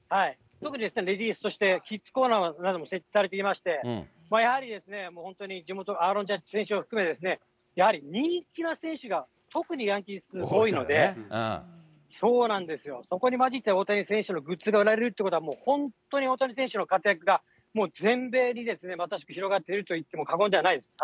特にレディースとして、キッズコーナーなども設置されていまして、やはり本当に、地元、アーロン・ジャッジ選手含め、やはり人気な選手が特にヤンキース多いので、そこに混じって大谷選手のグッズが売られるというのは、本当に大谷選手の活躍が、もう全米にまさしく広がっていると言っても過言ではないです。